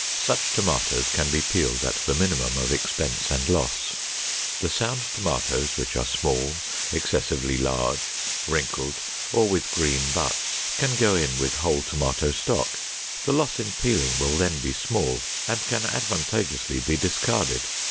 Such tomatoes can be peeled at the minimum of expense and loss. The sound tomatoes which are small, excessively large, wrinkled, or with green butts, can go in with whole tomato stock. The loss in peeling will then be small and can advantageously be discarded.